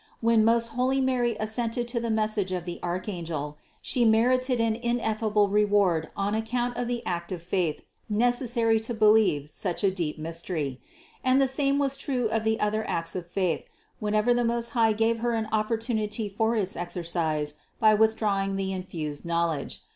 When most holy Mary assented to the message of the archangel, She merited an ineffable reward on ac count of the act of faith necessary to believe such a deep mystery; and the same was true of other acts of faith, whenever the Most High gave Her an opportunity for its 382 CITY OF GOD exercise by withdrawing the infused knowledge.